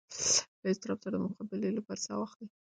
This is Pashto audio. له اضطراب سره د مقابلې لپاره ساه واخلئ.